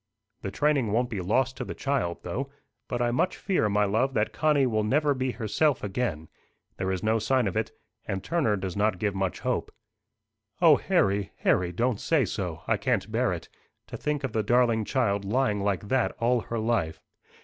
"The training won't be lost to the child though. But I much fear, my love, that Connie will never be herself again. There is no sign of it. And Turner does not give much hope." "O Harry, Harry, don't say so! I can't bear it. To think of the darling child lying like that all her life!"